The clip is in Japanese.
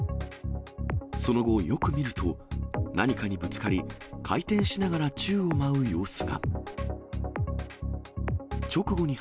その後、よく見ると、何かにぶつかり、回転しながら宙を舞う様子が。